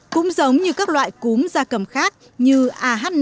cũng giống như các loại cúm gia cầm khác như ah năm n một